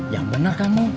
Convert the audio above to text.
yang bener kamu